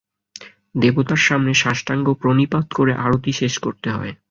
দেবতার সামনে সাষ্টাঙ্গ প্রণিপাত করে আরতি শেষ করতে হয়।